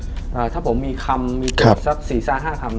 ยุคหนึ่งนะฮะเออถ้าผมมีคำครับสักสี่สามห้าคำ